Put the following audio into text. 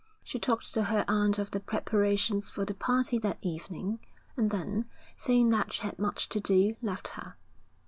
She talked to her aunt of the preparations for the party that evening, and then, saying that she had much to do, left her.